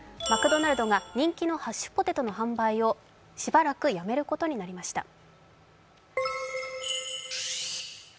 マクドナルドが人気のハッシュポテトの販売をしばらくやめることになりました。